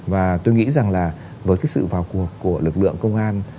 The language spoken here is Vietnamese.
và tôi nghĩ rằng là với cái sự vào cuộc của lực lượng công an